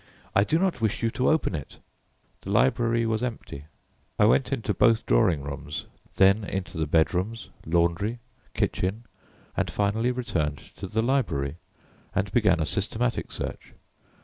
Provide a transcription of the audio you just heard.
I do not wish you to open it!" The library was empty. I went into both drawing rooms, then into the bedrooms, laundry, kitchen, and finally returned to the library and began a systematic search.